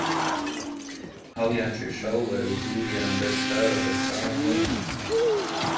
هەڵیان کێشا و بەرەو ژووریان برد تا لە بەر چاوم ون بوو